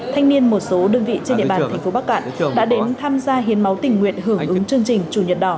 thanh niên một số đơn vị trên địa bàn tp bắc cạn đã đến tham gia hiến máu tỉnh nguyện hưởng ứng chương trình chủ nhật đỏ